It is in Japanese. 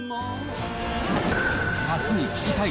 夏に聴きたい！